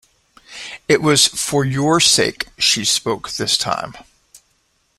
It was for your sake she spoke this time.